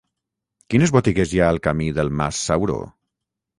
Quines botigues hi ha al camí del Mas Sauró?